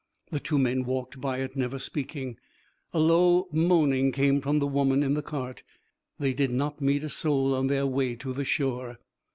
The two men walked by it, never speaking; a low moaning came from the woman in the cart. They did not meet a soul on their way to the shore.